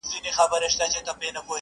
د ملګري یې سلا خوښه سوه ډېره!!